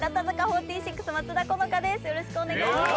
よろしくお願いします。